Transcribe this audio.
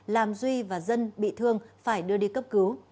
làm duy và dân bị thương phải đưa đi cấp cứu